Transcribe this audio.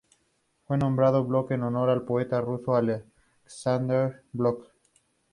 Fue nombrado Blok en honor al poeta ruso Aleksandr Blok.